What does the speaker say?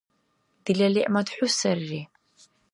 Дила лигӀмат хӀу сарри.